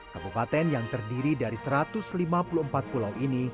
kabupaten yang terdiri dari satu ratus lima puluh empat pulau ini